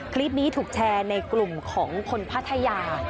คลิปนี้ถูกแชร์ในกลุ่มของคนพัทยา